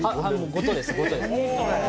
ごとです。